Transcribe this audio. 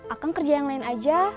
akan kerja yang lain aja